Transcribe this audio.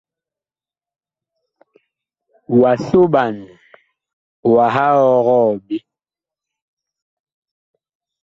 Wa soɓan, wah ɔgɔɔ ɓe.